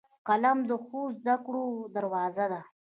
قلم د ښو زدهکړو دروازه ده